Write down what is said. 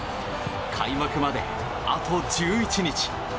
開幕まであと１１日。